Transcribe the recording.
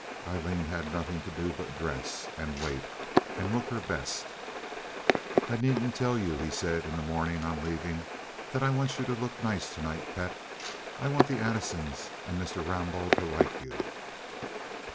Aileen had nothing to do but dress, and wait, and look her best. "I needn't tell you," he said, in the morning, on leaving, "that I want you to look nice to night, pet. I want the Addisons and Mr. Rambaud to like you."